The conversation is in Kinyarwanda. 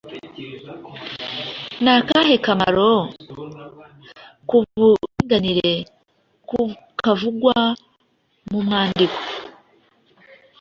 Ni akahe kamaro k’uburinganire kavugwa mu mwandiko?